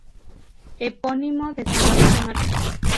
Epónimo de San Lorenzo Mártir.